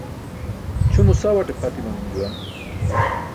Ćʰumo sawate pʰat imanum juwan.